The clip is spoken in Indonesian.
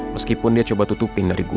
meskipun dia coba tutupin dari gua